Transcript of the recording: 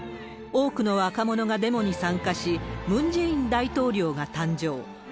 多くの若者がデモに参加し、ムン・ジェイン大統領が誕生。